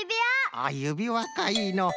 あゆびわかいいのう。